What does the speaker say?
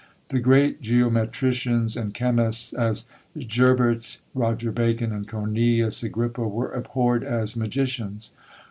The great geometricians and chemists, as Gerbert, Roger Bacon, and Cornelius Agrippa, were abhorred as magicians.